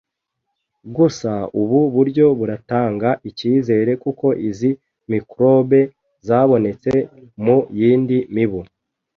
Gusa, ubu buryo buratanga ikizere kuko izi microbe zabonetse mu yindi mibu